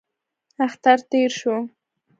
اختر تېر شو.